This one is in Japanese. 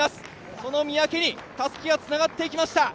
その三宅にたすきがつながっていきました。